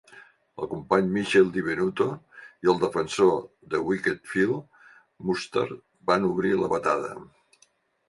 El company Michael Di Venuto i el defensor de wicket Phil Mustard van obrir la batada.